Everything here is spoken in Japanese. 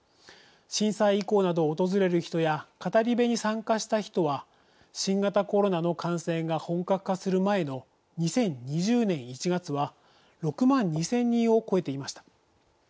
震災遺構などを訪れる人や語り部に参加した人は新型コロナの感染が本格化する前の２０２０年１月は６万２０００人を超えていました。